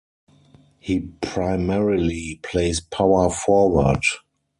He primarily plays power forward.